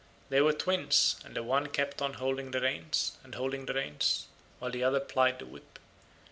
They were twins, and the one kept on holding the reins, and holding the reins, while the other plied the whip.